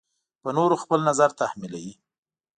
په نورو خپل نظر تحمیلوي.